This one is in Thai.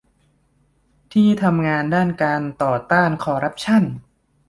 ที่ทำงานด้านการต่อต้านคอร์รัปชั่น